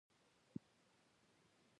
د ترافیک قواعد د ټولو خلکو لپاره یو شان دي.